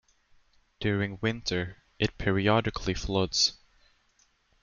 During winter it periodically floods.